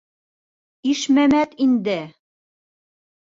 Ишмәмәт инде?!